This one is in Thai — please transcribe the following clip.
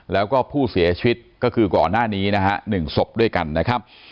แล้วก็ผู้เสียชีวิตก็คือก่อนหน้านี้นะฮะ๑ศพด้วยกันนะครับ